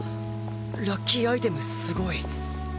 ラッキーアイテムすごい